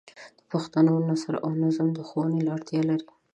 د پښتو نثر او نظم د ښوونې اړتیا لري.